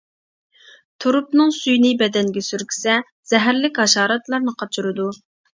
تۇرۇپنىڭ سۈيىنى بەدەنگە سۈركىسە، زەھەرلىك ھاشاراتلارنى قاچۇرىدۇ.